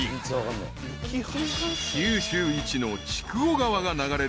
［九州一の］